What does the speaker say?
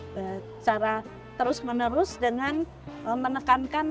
secara terus menerus dengan menekankan